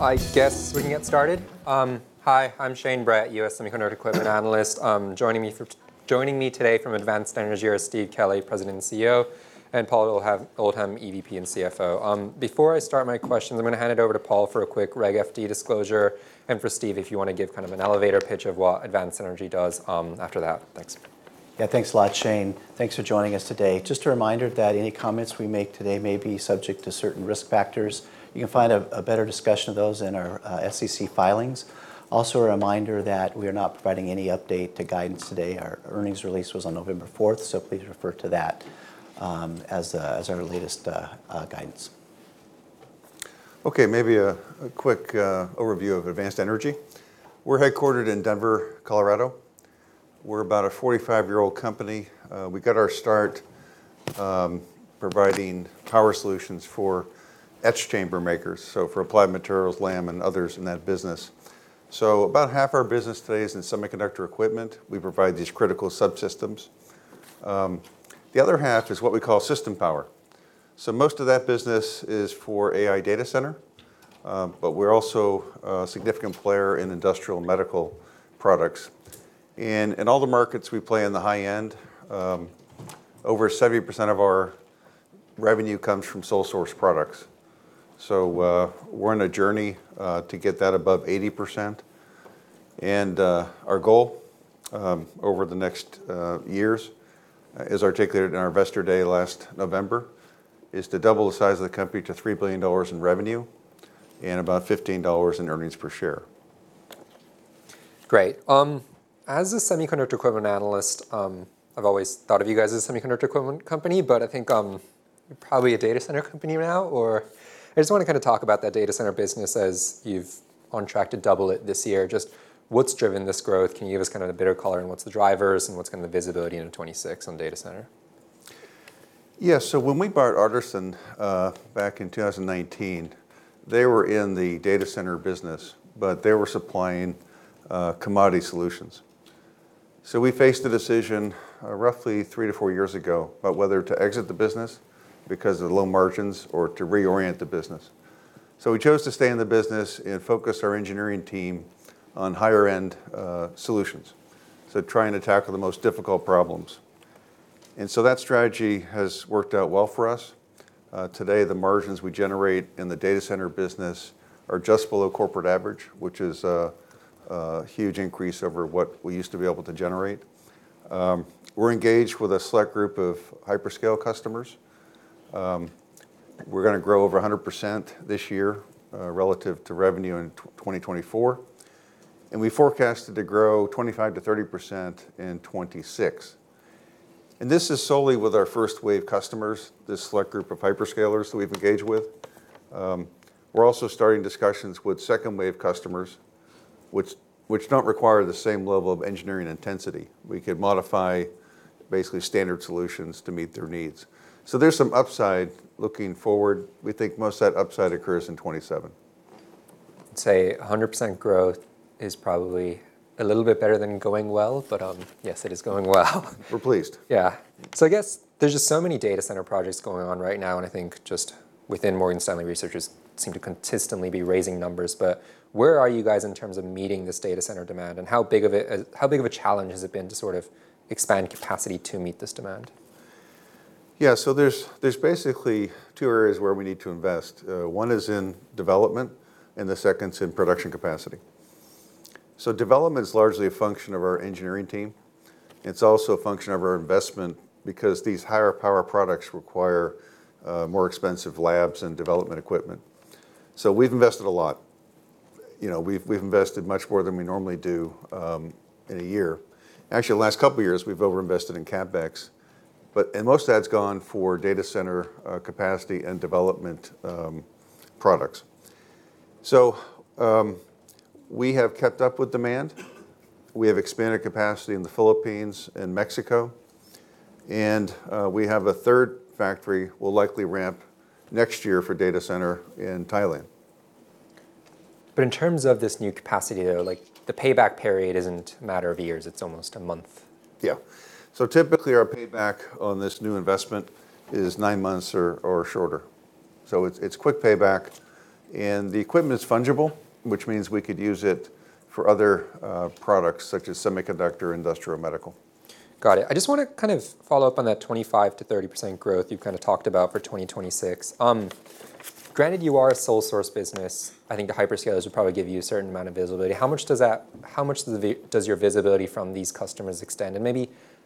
I guess we can get started. Hi, I'm Shane Brett, US Semiconductor Equipment Analyst. Joining me today from Advanced Energy are Steve Kelley, President and CEO, and Paul Oldham, EVP and CFO. Before I start my questions, I'm going to hand it over to Paul for a quick Reg FD disclosure, and for Steve, if you want to give kind of an elevator pitch of what Advanced Energy does after that. Thanks. Yeah, thanks a lot, Shane. Thanks for joining us today. Just a reminder that any comments we make today may be subject to certain risk factors. You can find a better discussion of those in our SEC filings. Also, a reminder that we are not providing any update to guidance today. Our earnings release was on November 4, so please refer to that as our latest guidance. Okay, maybe a quick overview of Advanced Energy. We're headquartered in Denver, Colorado. We're about a 45-year-old company. We got our start providing power solutions for etched chamber makers, so for Applied Materials, Lam, and others in that business. So about half our business today is in Semiconductor Equipment. We provide these critical subsystems. The other half is what we call System Power. So most of that business is for AI Data Center, but we're also a significant player in Industrial and Medical products. And in all the markets we play in the high end, over 70% of our revenue comes from sole-source products. So we're on a journey to get that above 80%. And our goal over the next years is articulated in our investor day last November, is to double the size of the company to $3 billion in revenue and about $15 in earnings per share. Great. As a semiconductor equipment analyst, I've always thought of you guys as a semiconductor equipment company, but I think you're probably a data center company now, or I just want to kind of talk about that data center business as you're on track to double it this year. Just what's driven this growth? Can you give us kind of a bit of color on what's the drivers and what's kind of the visibility in 2026 on data center? Yeah, so when we bought Artesyn back in 2019, they were in the data center business, but they were supplying commodity solutions. So we faced a decision roughly three to four years ago about whether to exit the business because of the low margins or to reorient the business. So we chose to stay in the business and focus our Engineering Team on higher-end solutions, so trying to tackle the most difficult problems. And so that strategy has worked out well for us. Today, the margins we generate in the data center business are just below corporate average, which is a huge increase over what we used to be able to generate. We're engaged with a select group of hyperscaler customers. We're going to grow over 100% this year relative to revenue in 2024. And we forecasted to grow 25%-30% in 2026. And this is solely with our first wave customers, this select group of hyperscalers that we've engaged with. We're also starting discussions with second wave customers, which don't require the same level of engineering intensity. We could modify basically standard solutions to meet their needs. So there's some upside looking forward. We think most of that upside occurs in 2027. I'd say 100% growth is probably a little bit better than going well, but yes, it is going well. We're pleased. Yeah. So I guess there's just so many data center projects going on right now, and I think just within Morgan Stanley Research, it seems to consistently be raising numbers. But where are you guys in terms of meeting this data center demand, and how big of a challenge has it been to sort of expand capacity to meet this demand? Yeah, so there's basically two areas where we need to invest. One is in development, and the second's in production capacity. So development's largely a function of our engineering team. It's also a function of our investment because these higher power products require more expensive labs and development equipment. So we've invested a lot. We've invested much more than we normally do in a year. Actually, in the last couple of years, we've over-invested in CapEx. And most of that's gone for data center capacity and development products. So we have kept up with demand. We have expanded capacity in the Philippines and Mexico. And we have a third factory we'll likely ramp next year for data center in Thailand. But in terms of this new capacity, though, the payback period isn't a matter of years. It's almost a month. Yeah. So typically, our payback on this new investment is nine months or shorter. So it's quick payback. And the equipment is fungible, which means we could use it for other products such as Semiconductor, Industrial, and Medical. Got it. I just want to kind of follow up on that 25%-30% growth you've kind of talked about for 2026. Granted, you are a sole-source business. I think the hyperscalers would probably give you a certain amount of visibility. How much does your visibility from these customers extend? And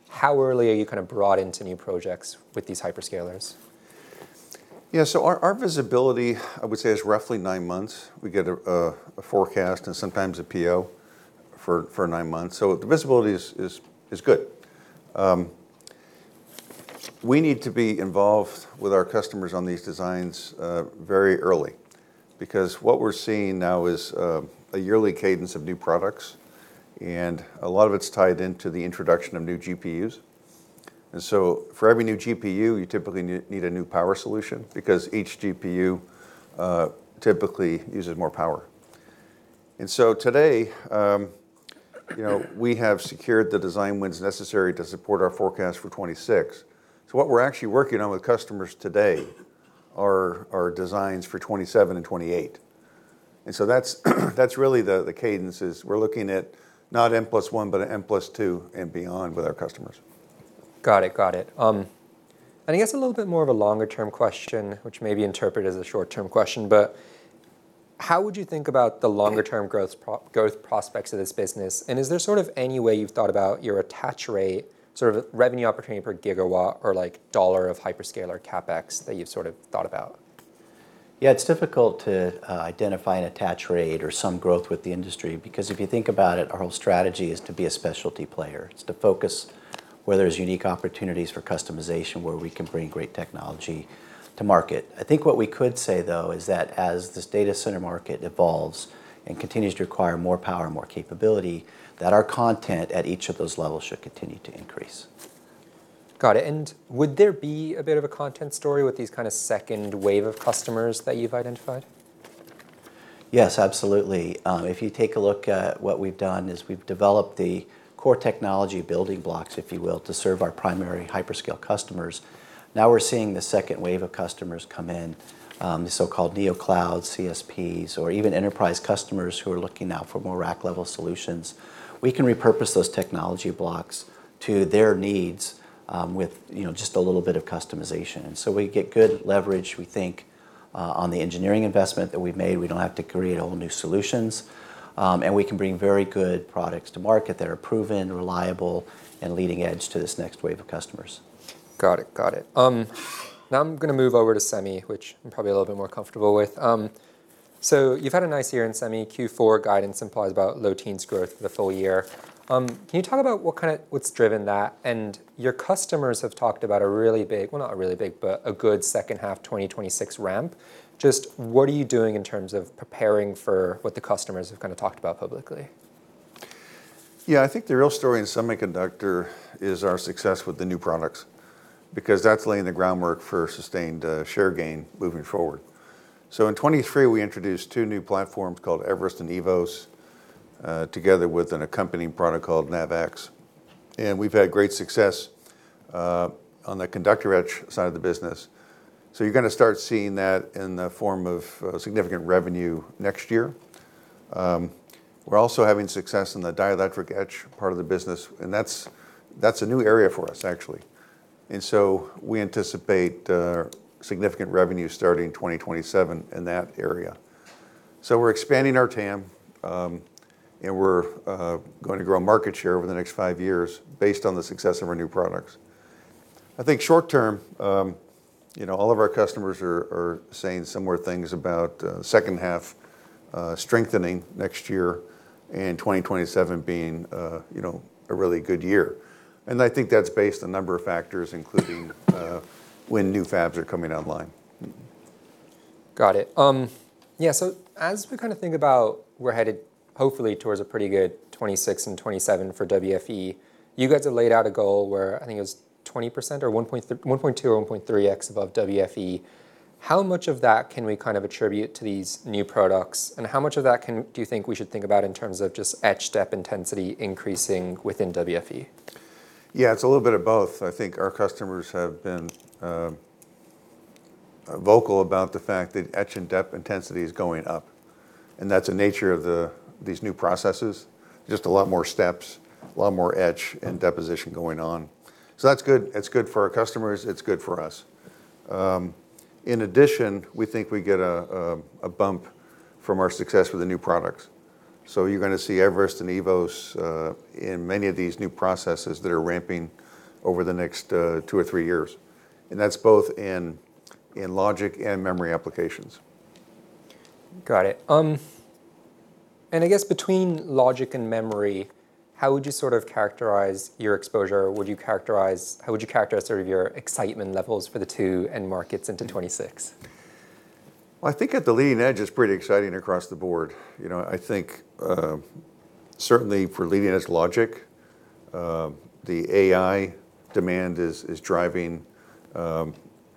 maybe how early are you kind of brought into new projects with these hyperscalers? Yeah, so our visibility, I would say, is roughly nine months. We get a forecast and sometimes a PO for nine months. So the visibility is good. We need to be involved with our customers on these designs very early because what we're seeing now is a yearly cadence of new products, and a lot of it's tied into the introduction of new GPUs. And so for every new GPU, you typically need a new power solution because each GPU typically uses more power. And so today, we have secured the design wins necessary to support our forecast for 2026. So what we're actually working on with customers today are designs for 2027 and 2028. And so that's really the cadence is we're looking at not M+1, but M+2 and beyond with our customers. Got it, got it. And I guess a little bit more of a longer-term question, which may be interpreted as a short-term question, but how would you think about the longer-term growth prospects of this business? And is there sort of any way you've thought about your attach rate, sort of revenue opportunity per gigawatt or dollar of hyperscaler CapEx that you've sort of thought about? Yeah, it's difficult to identify an attach rate or some growth with the industry because if you think about it, our whole strategy is to be a specialty player. It's to focus where there's unique opportunities for customization, where we can bring great technology to market. I think what we could say, though, is that as this data center market evolves and continues to require more power and more capability, that our content at each of those levels should continue to increase. Got it. And would there be a bit of a content story with these kind of second wave of customers that you've identified? Yes, absolutely. If you take a look at what we've done, is we've developed the core technology building blocks, if you will, to serve our primary hyperscale customers. Now we're seeing the second wave of customers come in, the so-called NeoCloud, CSPs, or even enterprise customers who are looking now for more rack-level solutions. We can repurpose those technology blocks to their needs with just a little bit of customization. And so we get good leverage, we think, on the engineering investment that we've made. We don't have to create whole new solutions. And we can bring very good products to market that are proven, reliable, and leading edge to this next wave of customers. Got it, got it. Now I'm going to move over to Semi, which I'm probably a little bit more comfortable with. So you've had a nice year in Semi. Q4 guidance implies about low-teens growth for the full year. Can you talk about what's driven that? And your customers have talked about a really big, well, not a really big, but a good second half 2026 ramp. Just what are you doing in terms of preparing for what the customers have kind of talked about publicly? Yeah, I think the real story in semiconductor is our success with the new products because that's laying the groundwork for sustained share gain moving forward. So in 2023, we introduced two new platforms called Everest and Evos together with an accompanying product called NavX. And we've had great success on the conductor etch side of the business. So you're going to start seeing that in the form of significant revenue next year. We're also having success in the dielectric etch part of the business. And that's a new area for us, actually. And so we anticipate significant revenue starting 2027 in that area. So we're expanding our TAM, and we're going to grow market share over the next five years based on the success of our new products. I think short term, all of our customers are saying similar things about second half strengthening next year and 2027 being a really good year, and I think that's based on a number of factors, including when new fabs are coming online. Got it. Yeah, so as we kind of think about we're headed hopefully towards a pretty good 2026 and 2027 for WFE, you guys have laid out a goal where I think it was 20% or 1.2 or 1.3x above WFE. How much of that can we kind of attribute to these new products? And how much of that do you think we should think about in terms of just etch and dep intensity increasing within WFE? Yeah, it's a little bit of both. I think our customers have been vocal about the fact that etch and dep intensity is going up, and that's the nature of these new processes. Just a lot more steps, a lot more etch and deposition going on, so that's good. It's good for our customers. It's good for us. In addition, we think we get a bump from our success with the new products, so you're going to see eVerest and eVoS in many of these new processes that are ramping over the next two or three years, and that's both in logic and memory applications. Got it. And I guess between logic and memory, how would you sort of characterize your exposure? How would you characterize sort of your excitement levels for the two end markets into 2026? I think at the leading edge, it's pretty exciting across the board. I think certainly for leading edge logic, the AI demand is driving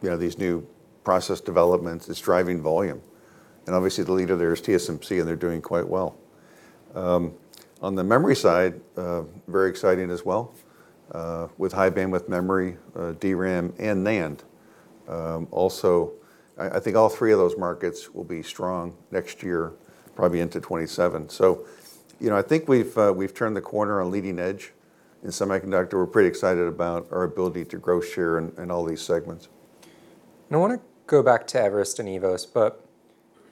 these new process developments, is driving volume. Obviously, the leader there is TSMC, and they're doing quite well. On the memory side, very exciting as well with high bandwidth memory, DRAM, and NAND. Also, I think all three of those markets will be strong next year, probably into 2027. I think we've turned the corner on leading edge in semiconductor. We're pretty excited about our ability to grow share in all these segments. Now I want to go back to eVerest and eVoS.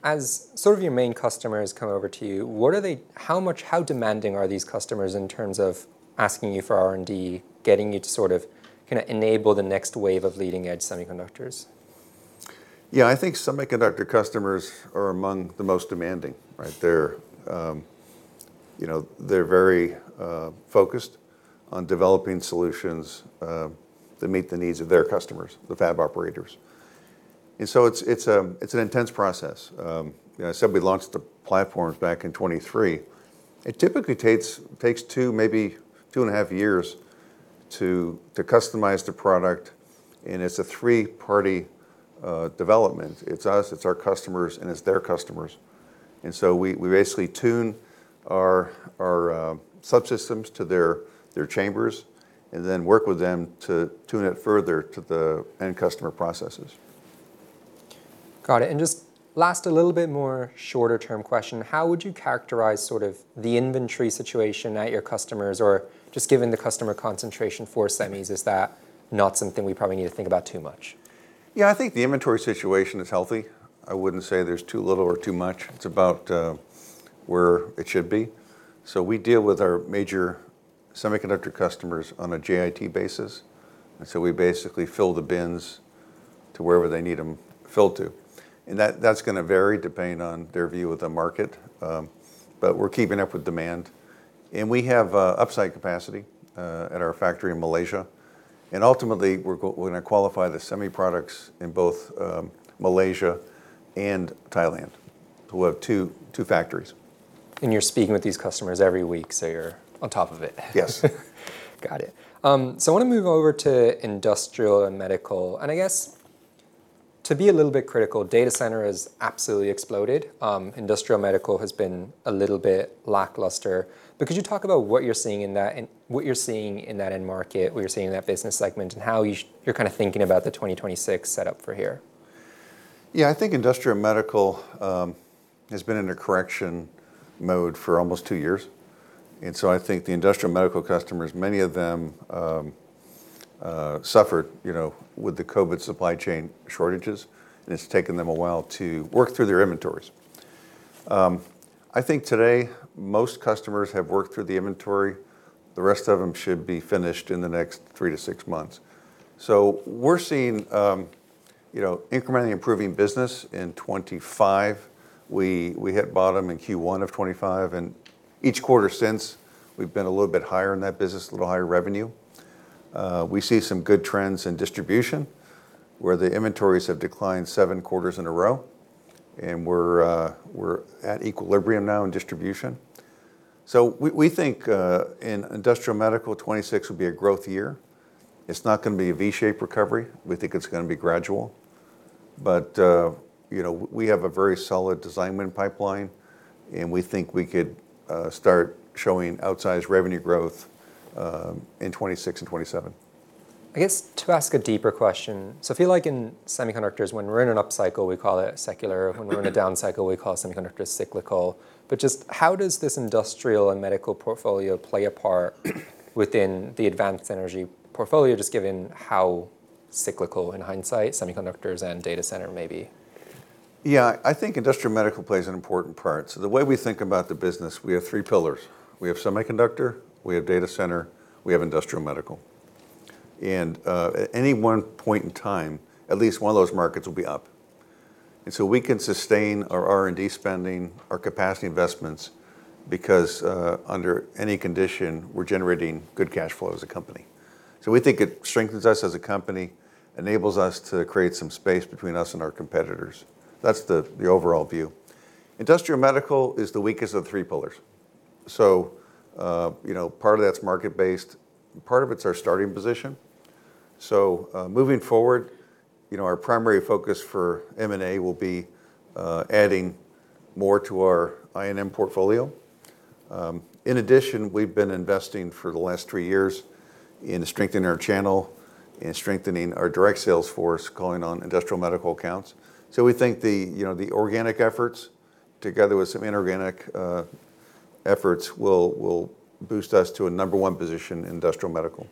But as sort of your main customers come over to you, how demanding are these customers in terms of asking you for R&D, getting you to sort of kind of enable the next wave of leading edge semiconductors? Yeah, I think semiconductor customers are among the most demanding. They're very focused on developing solutions that meet the needs of their customers, the fab operators. And so it's an intense process. I said we launched the platforms back in 2023. It typically takes two, maybe two and a half years to customize the product. And it's a three-party development. It's us, it's our customers, and it's their customers. And so we basically tune our sub systems to their chambers and then work with them to tune it further to the end customer processes. Got it. And just last a little bit more shorter-term question. How would you characterize sort of the inventory situation at your customers or just given the customer concentration for Semis? Is that not something we probably need to think about too much? Yeah, I think the inventory situation is healthy. I wouldn't say there's too little or too much. It's about where it should be. So we deal with our major semiconductor customers on a JIT basis. And so we basically fill the bins to wherever they need them filled to. And that's going to vary depending on their view of the market. But we're keeping up with demand. And we have upside capacity at our factory in Malaysia. And ultimately, we're going to qualify the semi products in both Malaysia and Thailand. We'll have two factories. You're speaking with these customers every week, so you're on top of it. Yes. Got it. So I want to move over to industrial and medical. And I guess, to be a little bit critical, data center has absolutely exploded. Industrial Medical has been a little bit lackluster. But could you talk about what you're seeing in that, what you're seeing in that end market, what you're seeing in that business segment, and how you're kind of thinking about the 2026 setup for here? Yeah, I think Industrial Medical has been in a correction mode for almost two years. And so I think the industrial medical customers, many of them suffered with the COVID supply chain shortages. And it's taken them a while to work through their inventories. I think today, most customers have worked through the inventory. The rest of them should be finished in the next three to six months. So we're seeing incrementally improving business in 2025. We hit bottom in Q1 of 2025. And each quarter since, we've been a little bit higher in that business, a little higher revenue. We see some good trends in distribution where the inventories have declined seven quarters in a row. And we're at equilibrium now in distribution. So we think in Industrial Medical, 2026 will be a growth year. It's not going to be a V-shaped recovery. We think it's going to be gradual. But we have a very solid design win pipeline. And we think we could start showing outsized revenue growth in 2026 and 2027. I guess to ask a deeper question. So I feel like in semiconductors, when we're in an upcycle, we call it secular. When we're in a downcycle, we call semiconductors cyclical. But just how does this industrial and medical portfolio play a part within the Advanced Energy portfolio, just given how cyclical in hindsight semiconductors and data center may be? Yeah, I think Industrial Medical plays an important part, so the way we think about the business, we have three pillars. We have Semiconductor, we have Data Center, we have Industrial Medical. And at any one point in time, at least one of those markets will be up, and so we can sustain our R&D spending, our capacity investments because under any condition, we're generating good cash flow as a company, so we think it strengthens us as a company, enables us to create some space between us and our competitors. That's the overall view. Industrial Medical is the weakest of the three pillars, so part of that's market-based. Part of it's our starting position, so moving forward, our primary focus for M&A will be adding more to our I&M portfolio. In addition, we've been investing for the last three years in strengthening our channel and strengthening our direct sales force calling on Industrial Medical accounts. So we think the organic efforts together with some inorganic efforts will boost us to a number one position in Industrial Medical.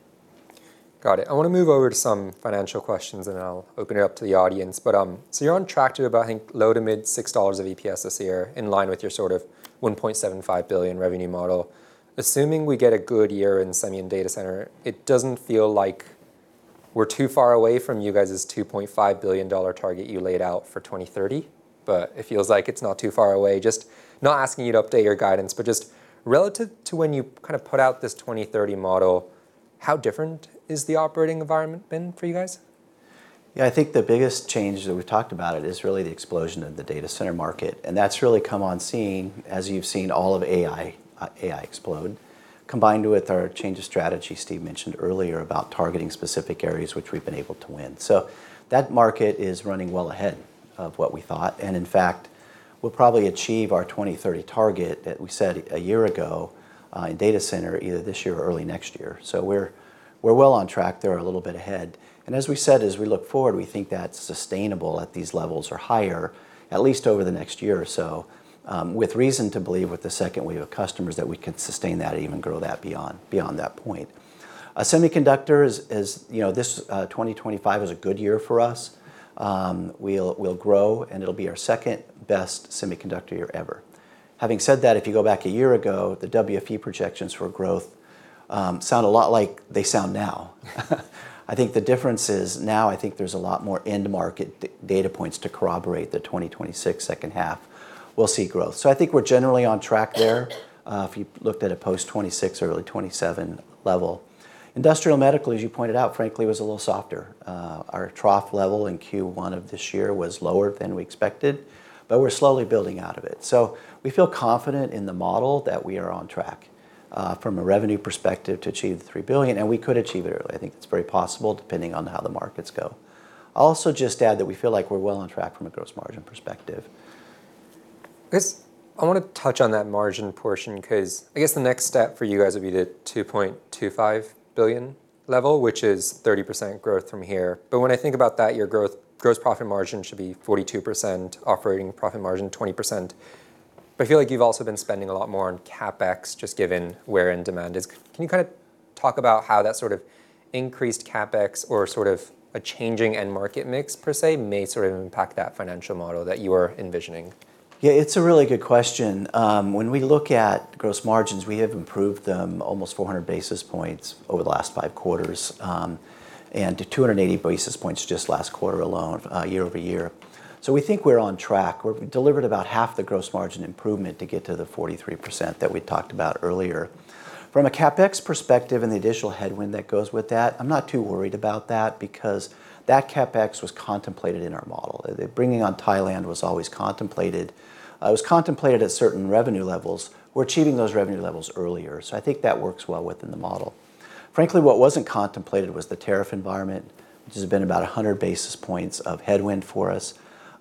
Got it. I want to move over to some financial questions, and then I'll open it up to the audience, but so you're on track to about, I think, low to mid $6 of EPS this year in line with your sort of $1.75 billion revenue model. Assuming we get a good year in semi and data center, it doesn't feel like we're too far away from you guys' $2.5 billion target you laid out for 2030, but it feels like it's not too far away. Just not asking you to update your guidance, but just relative to when you kind of put out this 2030 model, how different has the operating environment been for you guys? Yeah, I think the biggest change that we've talked about is really the explosion of the data center market. And that's really come on scene as you've seen all of AI explode combined with our change of strategy Steve mentioned earlier about targeting specific areas which we've been able to win. So that market is running well ahead of what we thought. And in fact, we'll probably achieve our 2030 target that we set a year ago in data center either this year or early next year. So we're well on track. They're a little bit ahead. And as we said, as we look forward, we think that's sustainable at these levels or higher, at least over the next year or so, with reason to believe with the second wave of customers that we can sustain that, even grow that beyond that point. Semiconductors, this 2025 is a good year for us. We'll grow, and it'll be our second best semiconductor year ever. Having said that, if you go back a year ago, the WFE projections for growth sound a lot like they sound now. I think the difference is now I think there's a lot more end market data points to corroborate the 2026 second half. We'll see growth. So I think we're generally on track there if you looked at a post 2026 or early 2027 level. Industrial Medical, as you pointed out, frankly, was a little softer. Our trough level in Q1 of this year was lower than we expected, but we're slowly building out of it. So we feel confident in the model that we are on track from a revenue perspective to achieve the $3 billion, and we could achieve it early. I think it's very possible depending on how the markets go. I'll also just add that we feel like we're well on track from a gross margin perspective. I want to touch on that margin portion because I guess the next step for you guys would be the $2.25 billion level, which is 30% growth from here. But when I think about that, your gross profit margin should be 42%, operating profit margin 20%. But I feel like you've also been spending a lot more on CapEx just given where in demand is. Can you kind of talk about how that sort of increased CapEx or sort of a changing end market mix per se may sort of impact that financial model that you are envisioning? Yeah, it's a really good question. When we look at gross margins, we have improved them almost 400 basis points over the last five quarters and to 280 basis points just last quarter alone year over year. So we think we're on track. We've delivered about half the gross margin improvement to get to the 43% that we talked about earlier. From a CapEx perspective and the additional headwind that goes with that, I'm not too worried about that because that CapEx was contemplated in our model. Bringing on Thailand was always contemplated. It was contemplated at certain revenue levels. We're achieving those revenue levels earlier. So I think that works well within the model. Frankly, what wasn't contemplated was the tariff environment, which has been about 100 basis points of headwind for us,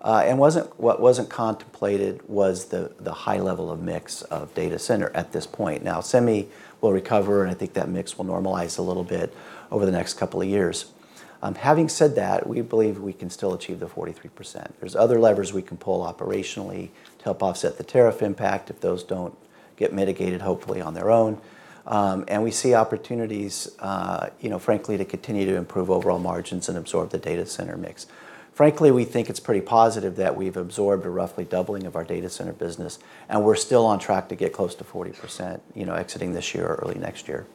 and what wasn't contemplated was the high level of mix of data center at this point. Now, semi will recover, and I think that mix will normalize a little bit over the next couple of years. Having said that, we believe we can still achieve the 43%. There's other levers we can pull operationally to help offset the tariff impact if those don't get mitigated, hopefully on their own. And we see opportunities, frankly, to continue to improve overall margins and absorb the data center mix. Frankly, we think it's pretty positive that we've absorbed a roughly doubling of our data center business. And we're still on track to get close to 40% exiting this year or early next year.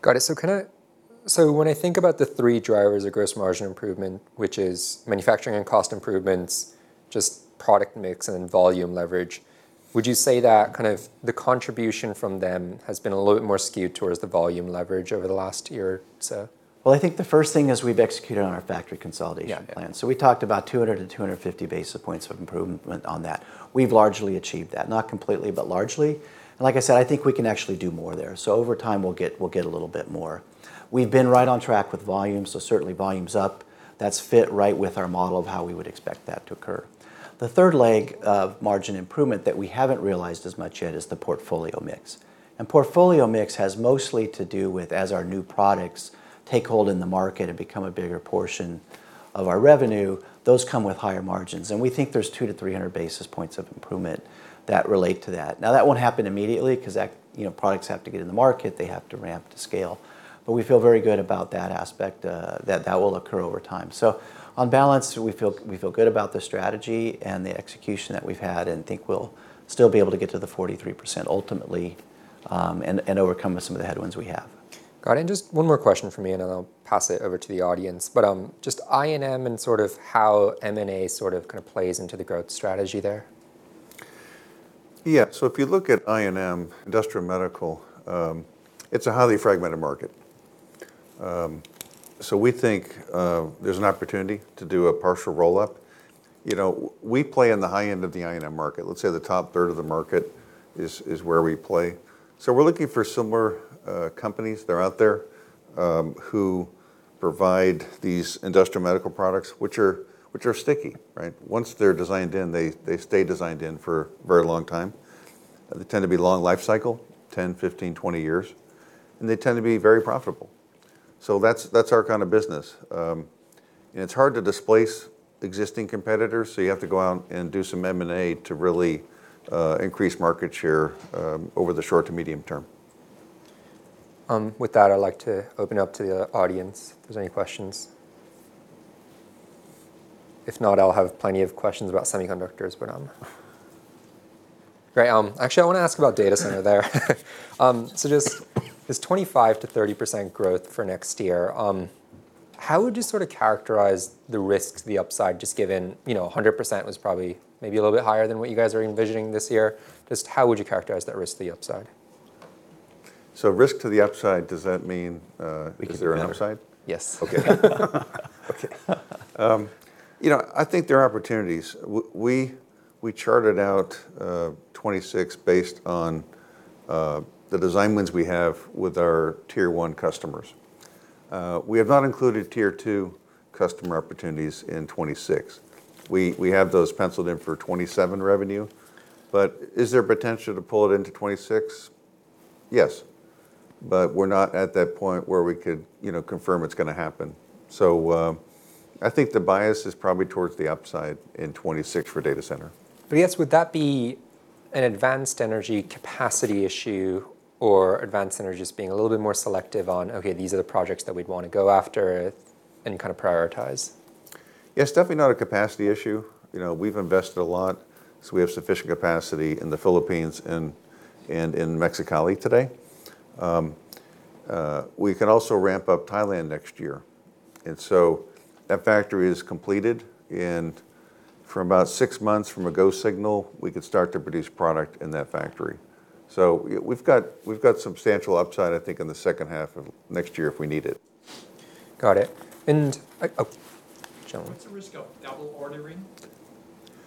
Got it. So when I think about the three drivers of gross margin improvement, which is manufacturing and cost improvements, just product mix, and then volume leverage, would you say that kind of the contribution from them has been a little bit more skewed towards the volume leverage over the last year or so? Well, I think the first thing is we've executed on our factory consolidation plan. So we talked about 200-250 basis points of improvement on that. We've largely achieved that, not completely, but largely. And like I said, I think we can actually do more there. So over time, we'll get a little bit more. We've been right on track with volume, so certainly volume's up. That's fit right with our model of how we would expect that to occur. The third leg of margin improvement that we haven't realized as much yet is the portfolio mix. And portfolio mix has mostly to do with, as our new products take hold in the market and become a bigger portion of our revenue, those come with higher margins. And we think there's 200-300 basis points of improvement that relate to that. Now, that won't happen immediately because products have to get in the market. They have to ramp to scale. But we feel very good about that aspect. That will occur over time. So on balance, we feel good about the strategy and the execution that we've had and think we'll still be able to get to the 43% ultimately and overcome some of the headwinds we have. Got it. And just one more question for me, and then I'll pass it over to the audience. But just I&M and sort of how M&A sort of kind of plays into the growth strategy there? Yeah. So if you look at I&M, Industrial Medical, it's a highly fragmented market. So we think there's an opportunity to do a partial roll-up. We play in the high end of the I&M market. Let's say the top third of the market is where we play. So we're looking for similar companies that are out there who provide these industrial medical products, which are sticky. Once they're designed in, they stay designed in for a very long time. They tend to be long lifecycle, 10, 15, 20 years. And they tend to be very profitable. So that's our kind of business. And it's hard to displace existing competitors. So you have to go out and do some M&A to really increase market share over the short to medium term. With that, I'd like to open it up to the audience. If there's any questions? If not, I'll have plenty of questions about semiconductors, but. Great. Actually, I want to ask about data center there. So just this 25%-30% growth for next year, how would you sort of characterize the risk to the upside just given 100% was probably maybe a little bit higher than what you guys are envisioning this year? Just how would you characterize that risk to the upside? So, risk to the upside? Does that mean is there an upside? Yes. Okay. Okay. I think there are opportunities. We charted out 2026 based on the design wins we have with our tier one customers. We have not included tier two customer opportunities in 2026. We have those penciled in for 2027 revenue. But is there potential to pull it into 2026? Yes. But we're not at that point where we could confirm it's going to happen. So I think the bias is probably towards the upside in 2026 for data center. But I guess would that be an Advanced Energy capacity issue or Advanced Energy just being a little bit more selective on, okay, these are the projects that we'd want to go after and kind of prioritize? Yes, definitely not a capacity issue. We've invested a lot, so we have sufficient capacity in the Philippines and in Mexicali today. We can also ramp up Thailand next year, and so that factory is completed, and for about six months from a go signal, we could start to produce product in that factory, so we've got substantial upside, I think, in the second half of next year if we need it. Got it. What's the risk of double ordering?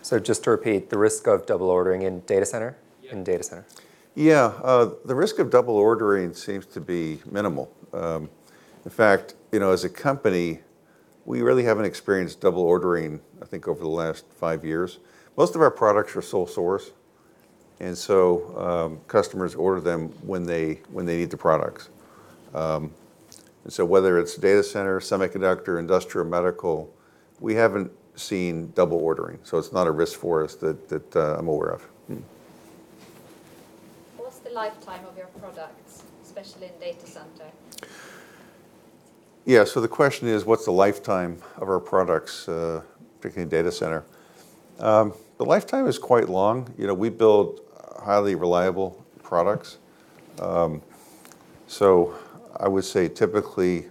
So just to repeat, the risk of double ordering in data center? Yeah. In data center. Yeah. The risk of double ordering seems to be minimal. In fact, as a company, we really haven't experienced double ordering, I think, over the last five years. Most of our products are sole source. And so customers order them when they need the products. And so whether it's Data Center, Semiconductor, Industrial Medical, we haven't seen double ordering. So it's not a risk for us that I'm aware of. What's the lifetime of your products, especially in data center? Yeah. So the question is, what's the lifetime of our products, particularly in data center? The lifetime is quite long. We build highly reliable products. So I would say typically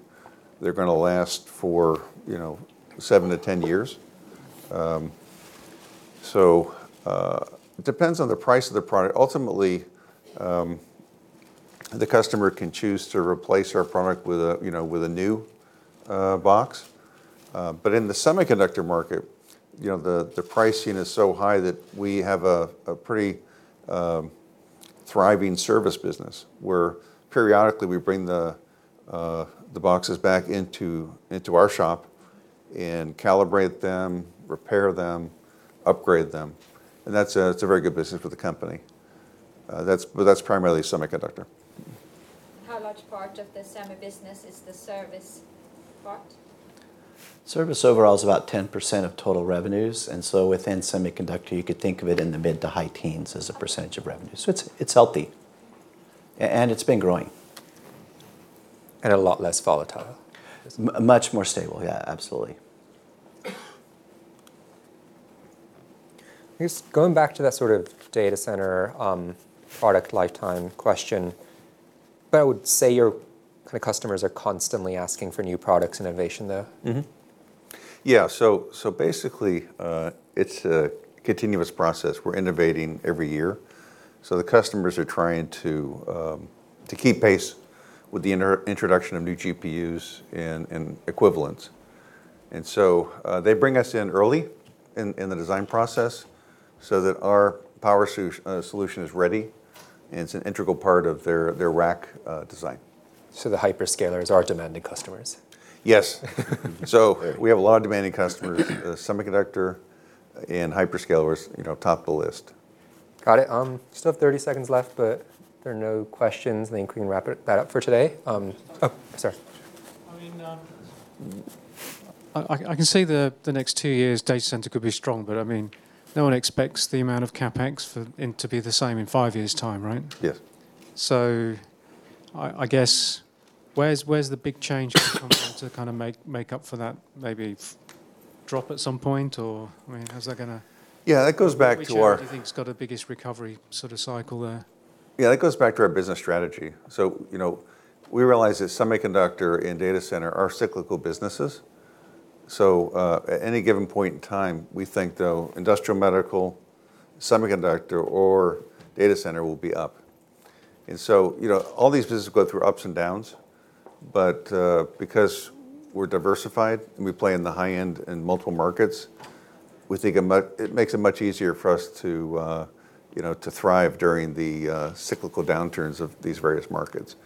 they're going to last for seven to 10 years. So it depends on the price of the product. Ultimately, the customer can choose to replace our product with a new box. But in the semiconductor market, the pricing is so high that we have a pretty thriving service business where periodically we bring the boxes back into our shop and calibrate them, repair them, upgrade them. And that's a very good business for the company. But that's primarily semiconductor. How large part of the semi business is the service part? Service overall is about 10% of total revenues. And so within semiconductor, you could think of it in the mid-to-high teens as a percentage of revenue. So it's healthy. And it's been growing. And a lot less volatile. Much more stable. Yeah, absolutely. I guess, going back to that sort of data center product lifetime question, but I would say your kind of customers are constantly asking for new products and innovation though. Yeah. So basically, it's a continuous process. We're innovating every year. So the customers are trying to keep pace with the introduction of new GPUs and equivalents. And so they bring us in early in the design process so that our power solution is ready. And it's an integral part of their rack design. The hyperscalers are demanding customers. Yes. So we have a lot of demanding customers. Semiconductor and hyperscalers top the list. Got it. Just have 30 seconds left, but if there are no questions, then we can wrap that up for today. Sorry. I mean. I can see the next two years data center could be strong, but I mean, no one expects the amount of CapEx to be the same in five years' time, right? Yes. So I guess where's the big change that's coming to kind of make up for that maybe drop at some point? Or I mean, how's that going to? Yeah, that goes back to our. Which one do you think's got the biggest recovery sort of cycle there? Yeah, that goes back to our business strategy. So we realize that semiconductor and data center are cyclical businesses. So at any given point in time, we think though industrial medical, semiconductor, or data center will be up. And so all these businesses go through ups and downs. But because we're diversified and we play in the high end in multiple markets, we think it makes it much easier for us to thrive during the cyclical downturns of these various markets.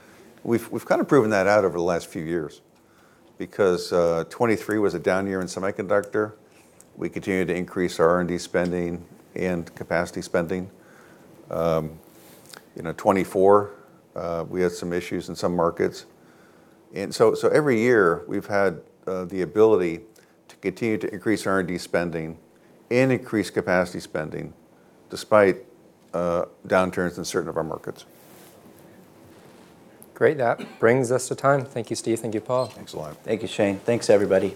We've kind of proven that out over the last few years because 2023 was a down year in Semiconductor. We continued to increase our R&D spending and capacity spending. 2024, we had some issues in some markets. And so every year we've had the ability to continue to increase R&D spending and increase capacity spending despite downturns in certain of our markets. Great. That brings us to time. Thank you, Steve. Thank you, Paul. Thanks a lot. Thank you, Shane. Thanks, everybody.